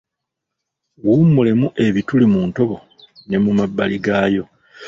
Giwumulemu ebituli mu ntobo ne mu mabbali gayo